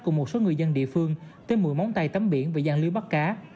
cùng một số người dân địa phương tới mũi móng tây tắm biển và gian lưu bắt cá